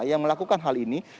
yang melakukan hal ini